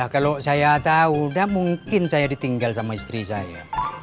kalau saya tahu udah mungkin saya ditinggal sama istri saya